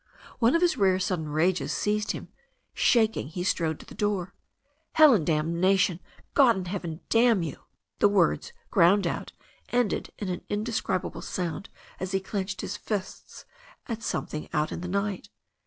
One of his rare sudden rages seized him. Shaking, he strode to his door. "Hell and damnation ! God in heaven, damn you !" The words, ground out, ended in an indescribable sound as he clenched his fists at something out in the night.